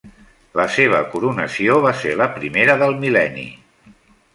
La seva coronació va ser la primera del mil·lenni.